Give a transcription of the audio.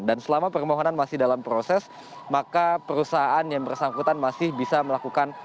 dan selama permohonan masih dalam proses maka perusahaan yang bersangkutan masih bisa melakukan